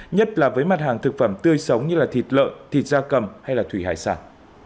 nhất là với mặt hàng thực phẩm tươi sống như thịt lợi thịt da cầm hay thủy hải sản